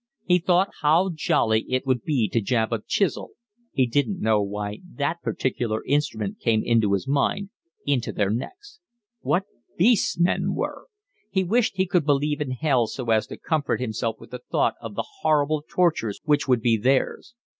He thought how jolly it would be to jab a chisel (he didn't know why that particular instrument came into his mind) into their necks. What beasts men were! He wished he could believe in hell so as to comfort himself with the thought of the horrible tortures which would be theirs.